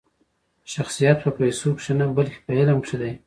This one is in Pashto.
شخصیت په پیسو کښي نه؛ بلکي په علم کښي دئ.